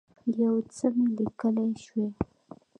یو څه مي لیکلای شوای.